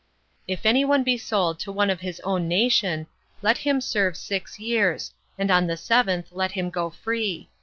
28. If any one be sold to one of his own nation, let him serve him six years, and on the seventh let him go free.